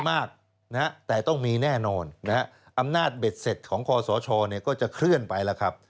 ไม่มากแต่ต้องมีแน่นอนอำนาจเบ็ดเสร็จของคศชก็จะเคลื่อนไปแล้วครับ